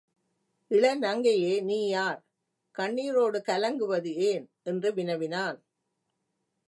இள நங்கையே நீ யார்? கண்ணிரோடு கலங்குவது ஏன்? என்று வினவினான்.